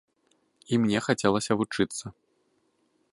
І мне хацелася вучыцца.